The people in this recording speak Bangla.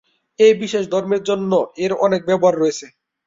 এই বিশেষ ধর্মের জন্য এর অনেক ব্যবহার রয়েছে।